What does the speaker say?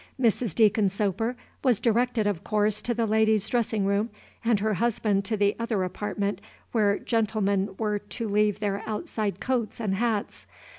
Mrs. Deacon Soper was directed, of course, to the ladies' dressing room, and her husband to the other apartment, where gentlemen were to leave their outside coats and hats.